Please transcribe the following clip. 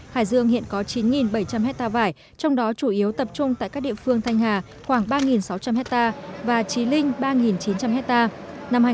hải dương hiện có chín bảy trăm linh hectare vải trong đó chủ yếu tập trung tại các địa phương thanh hà khoảng ba sáu trăm linh hectare và trí linh ba chín trăm linh hectare